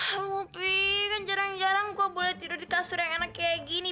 tapi kan jarang jarang gue boleh tidur di kasur yang enak kayak gini